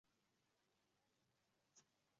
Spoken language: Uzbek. Русский